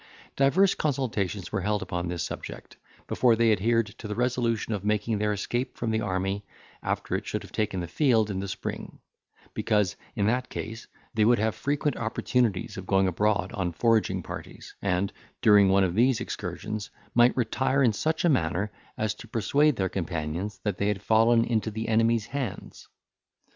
Divers consultations were held upon this subject, before they adhered to the resolution of making their escape from the army, after it should have taken the field in the spring; because, in that case, they would have frequent opportunities of going abroad on foraging parties, and, during one of these excursions, might retire in such a manner as to persuade their companions that they had fallen into the enemy's hands.